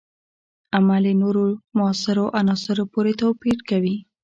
عمل یې نورو موثرو عناصرو پورې توپیر کوي.